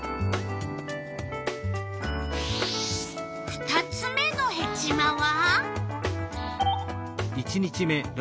２つ目のヘチマは？